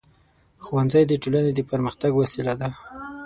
ښوونځی د ټولنې د پرمختګ وسیله ده.